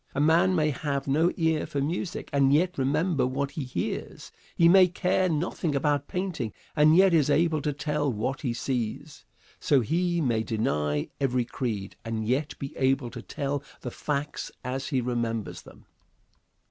A man may have no ear for music, and yet remember what he hears. He may care nothing about painting, and yet is able to tell what he sees. So he may deny every creed, and yet be able to tell the facts as he remembers them.